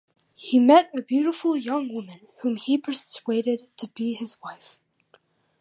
He met a beautiful young woman whom he persuaded to be his wife.